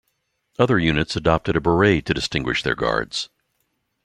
Other units adopted a beret to distinguish their guards.